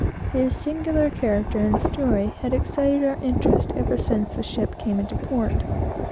His singular character and story had excited our interest ever since the ship came into the port.